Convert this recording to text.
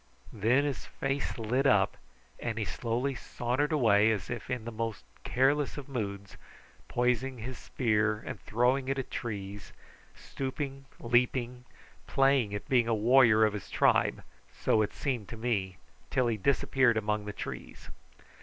Then his face lit up, and he slowly sauntered away, as if in the most careless of moods, poising his spear and throwing it at trees, stooping, leaping, and playing at being a warrior of his tribe, so it seemed to me, till he disappeared among the trees.